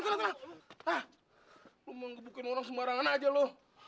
lo memang gebukin orang sembarangan aja lo